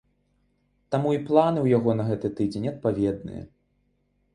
Таму і планы ў яго на гэты тыдзень адпаведныя.